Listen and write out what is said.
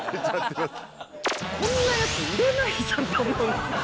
こんなヤツ売れないじゃんと思うんですよ。